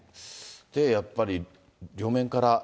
やっぱり両面から。